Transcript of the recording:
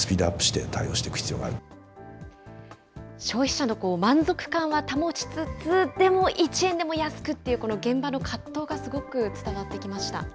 消費者の満足感は保ちつつ、でも１円でも安くっていう、この現場の葛藤がすごく伝わってきました。